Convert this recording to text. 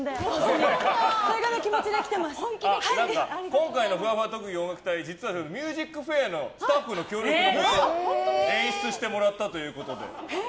今回のふわふわ特技音楽隊「ＭＵＳＩＣＦＡＩＲ」のスタッフの協力のもと演出してもらったということで。